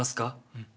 うん。